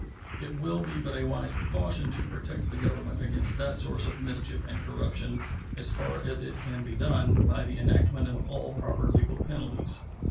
It will be but a wise precaution to protect the Government against that source of mischief and corruption, as far as it can be done, by the enactment of all proper legal penalties.